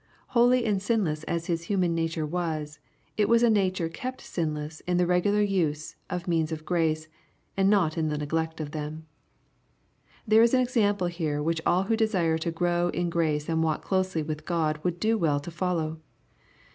Holy and sinless as his human nature was, it was a nature kept sinless in the regular use of means of grace, and not in the neglect of them. There is an example here which all who desire to grow in grace and walk closely with God would do well to follow.